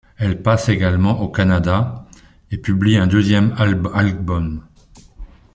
Elle passe également au Canada, et publie un deuxième aklbum.